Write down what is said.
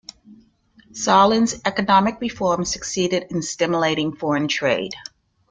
Solon's economic reforms succeeded in stimulating foreign trade.